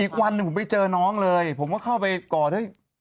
วันหนึ่งผมไปเจอน้องเลยผมก็เข้าไปก่อด้วย